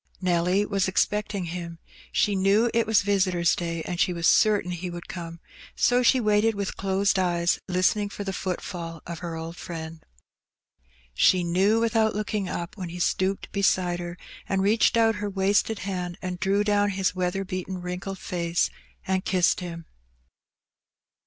Nelly was expecting him ; she knew it was visitors^ day, and she was certain he would come, so she waited with closed eyes, listening for the footfall of her old friend. She knew without looking up when he stooped beside her, and reached out her wasted hand, and drew down his weather beaten wrinkled face and kissed him.